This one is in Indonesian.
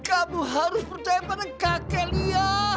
kamu harus percaya pada kakek lia